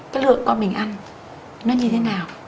cái lượng con mình ăn nó như thế nào